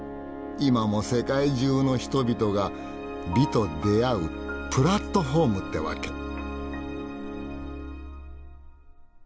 今も世界中の人々が美と出会うプラットホームってわけ！